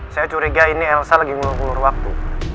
saya curiga ini elsa lagi ngelur ngulur waktu